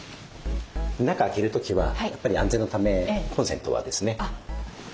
中開ける時はやっぱり安全のためコンセントはですね抜いて頂いて。